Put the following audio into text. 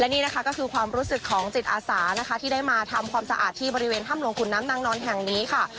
นี่นะคะก็คือความรู้สึกของจิตอาสานะคะที่ได้มาทำความสะอาดที่บริเวณถ้ำหลวงขุนน้ำนางนอนแห่งนี้ค่ะ